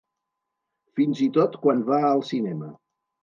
Fins i tot quan va al cinema.